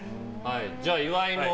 じゃあ岩井も。